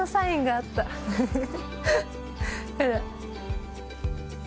フフフフ。